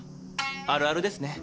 あるあるですね。